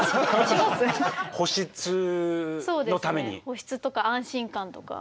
保湿とか安心感とか。